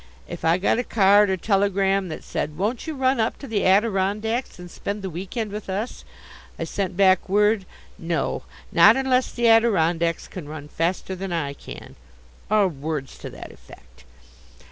If I got a card or telegram that said, "Won't you run up to the Adirondacks and spend the week end with us?" I sent back word: "No, not unless the Adirondacks can run faster than I can," or words to that effect.